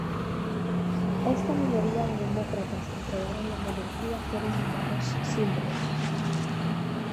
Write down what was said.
Esta minoría de demócratas que aprobaron la monarquía fueron llamados "cimbrios".